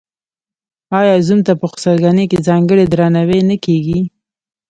آیا زوم ته په خسرګنۍ کې ځانګړی درناوی نه کیږي؟